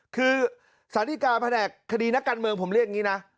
คือสารดีกาแผนกคดีนักการเมืองผมเรียกอย่างนี้นะ